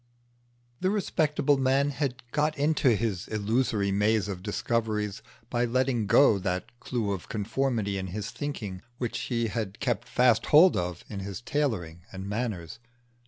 The respectable man had got into his illusory maze of discoveries by letting go that clue of conformity in his thinking which he had kept fast hold of in his tailoring and manners.